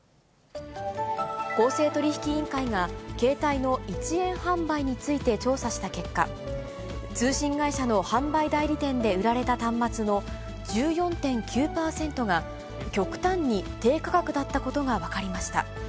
公正取引委員会が、携帯の１円販売について調査した結果、通信会社の販売代理店で売られた端末の１４．９％が、極端に低価格だったことが分かりました。